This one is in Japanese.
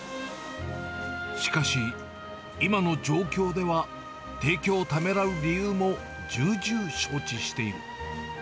しかし、今の状況では、提供をためらう理由も重々承知している。